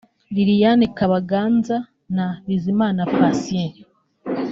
’Liliane Kabaganza’ na ’Bizimana Patient’